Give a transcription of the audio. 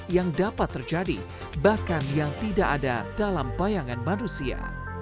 yang dapat terjadi bahkan yang tidak ada dalam bayangan manusia